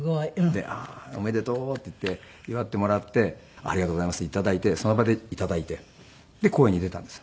でああーおめでとうっていって祝ってもらって「ありがとうございます」って頂いてその場で頂いてで公演に出たんです。